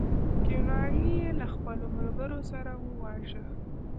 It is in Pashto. کیوناري یې له خپلو ملګرو سره وواژه.